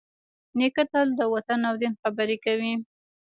نیکه تل د وطن او دین خبرې کوي.